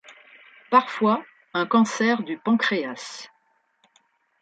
Parfois un cancer du pancréas.